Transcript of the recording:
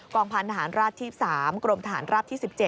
งพันธหารราบที่๓กรมทหารราบที่๑๗